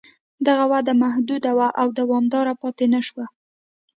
دغه وده محدوده وه او دوامداره پاتې نه شوه